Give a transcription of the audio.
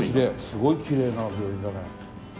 すごいきれいな病院だね